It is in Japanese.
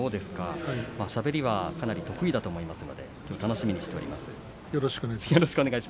しゃべりはかなり得意だと思いますのできょうは楽しみにしています。